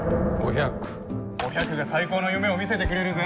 お百が最高の夢をみせてくれるぜ。